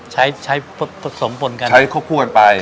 ใช้ผสมผลกัน